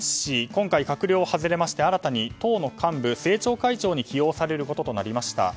今回閣僚を外れまして今回新たに党の幹部、政調会長として起用されることとなりました。